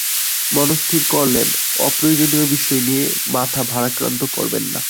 মনস্থির করলেন অপ্রয়োজনীয় বিষয় নিয়ে মাথা ভারাক্রান্ত করবেন না।